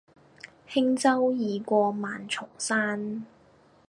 輕舟已過萬重山